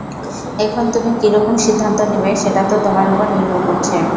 এখন তুমি কি রকম সিদ্ধান্ত নিবে, সেটা তো তোমার উপর নির্ভর করছে?